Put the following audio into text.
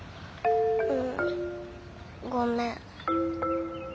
んごめん。